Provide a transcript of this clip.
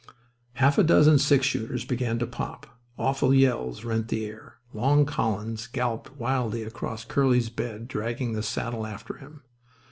Half a dozen six shooters began to pop—awful yells rent the air—Long Collins galloped wildly across Curly's bed, dragging the saddle after him.